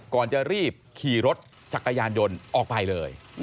ก่อนจะรีบขี่รถจักรยานยนต์ออกไปเลย